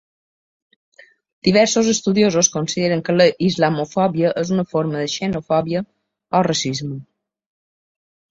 Diversos estudiosos consideren que la islamofòbia és una forma de xenofòbia o racisme.